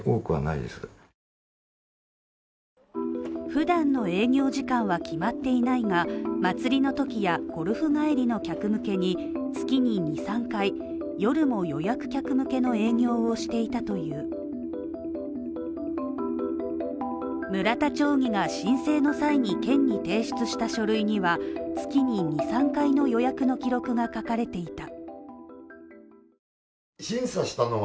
普段の営業時間は決まっていないが、祭りのときやゴルフ帰りの客向けに月に二、三回、夜も予約客向けの営業をしていたという村田町議の申請の際に県に提出した書類には、月に２３回の予約の記録が書かれていた。